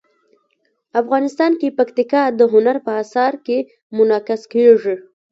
افغانستان کې پکتیکا د هنر په اثار کې منعکس کېږي.